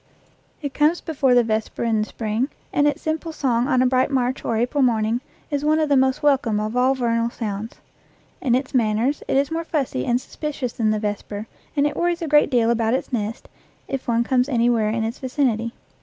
It comes before the vesper in the spring, and its simple song on a bright March or April morning is one of the most welcome of all vernal sounds. In its manners it is more fussy and suspicious than the vesper, and it worries a great deal about its nest if one comes any where in its vicinity.